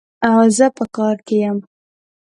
زه په کار کي يم